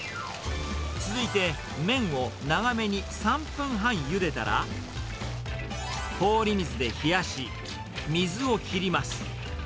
続いて、麺を長めに３分半ゆでたら、氷水で冷やし、水を切ります。